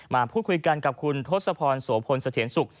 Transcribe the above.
มาพูดคุยกันกับคุณทศพรโสพลเสถียรสุข